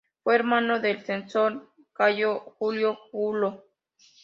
Fue hermano del censor Cayo Julio Julo.